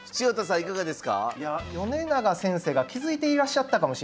いかがですか？